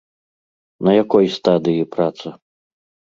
На якой стадыі праца?